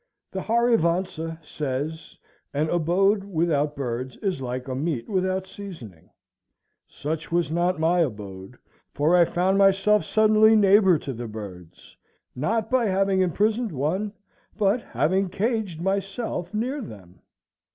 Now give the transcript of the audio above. The Harivansa says, "An abode without birds is like a meat without seasoning." Such was not my abode, for I found myself suddenly neighbor to the birds; not by having imprisoned one, but having caged myself near them.